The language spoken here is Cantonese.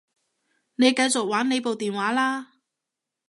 你繼續玩你部電話啦